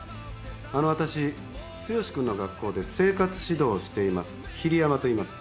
あの私剛君の学校で生活指導をしています桐山といいます。